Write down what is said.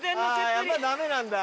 やっぱダメなんだ。